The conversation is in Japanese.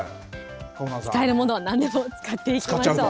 使えるものはなんでも使っていきましょう。